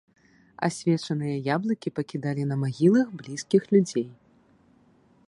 Асвечаныя яблыкі пакідалі на магілах блізкіх людзей.